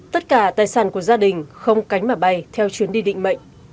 tất cả tài sản của gia đình không cánh mà bay theo chuyến đi định mệnh